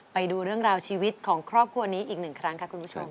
ไปดูเรื่องราวชีวิตของครอบครัวนี้อีกหนึ่งครั้งค่ะคุณผู้ชม